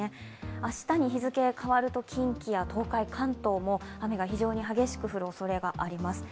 明日に日付が変わると近畿や東海、関東も雨が非常に激しく降るおそれがあります。